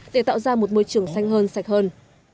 để tạo ra một môi trường xanh hơn sạch hơn